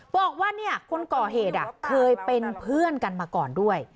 บอกว่าคนก่อเหตุเคยเป็นเพื่อนกันมาก่อนด้วย